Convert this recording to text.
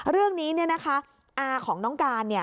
เรื่องนี้อาของน้องการ